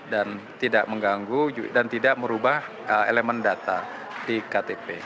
dan tidak mengganggu dan tidak merubah elemen data di ktp